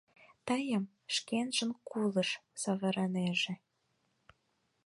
Тыйым шкенжын кулыш савырынеже».